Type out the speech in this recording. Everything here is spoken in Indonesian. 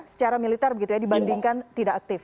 secara militer begitu ya dibandingkan tidak aktif